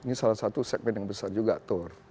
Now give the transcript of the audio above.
ini salah satu segmen yang besar juga tour